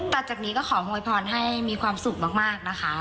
จากนี้ก็ขอโวยพรให้มีความสุขมากนะคะ